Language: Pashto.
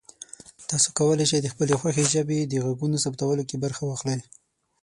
تاسو کولی شئ د خپلې خوښې ژبې د غږونو ثبتولو کې برخه واخلئ.